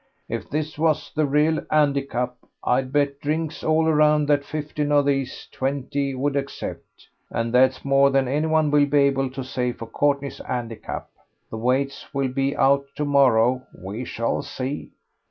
If this was the real 'andicap, I'd bet drinks all around that fifteen of these twenty would accept. And that's more than anyone will be able to say for Courtney's 'andicap. The weights will be out to morrow; we shall see."